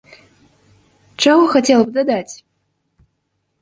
Чаго хацела б дадаць?